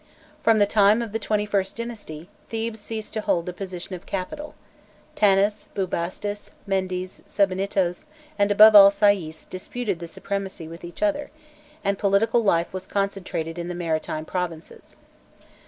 From the time of the XXIst dynasty, Thebes ceased to hold the position of capital: Tanis, Bubastis, Mendes, Sebennytos, and above all, Sais, disputed the supremacy with each other, and political life was concentrated in the maritime provinces.